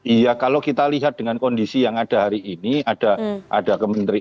iya kalau kita lihat dengan kondisi yang ada hari ini ada kementerian